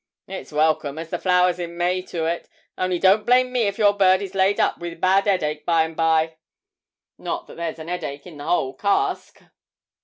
It's welcome as the flowers in May to it, only don't blame me if your bird is laid up with a bad 'eadache by and by, not that there's an 'eadache in the whole cask.'